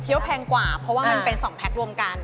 คิดว่าแพงกว่าเพราะว่ามันเป็นสองแพกรวมกัน